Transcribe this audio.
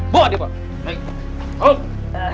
bawa dia ke bawah